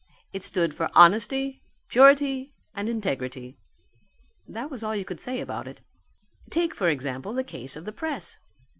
It stood for "honesty, purity, and integrity." That was all you could say about it. Take, for example, the case of the press.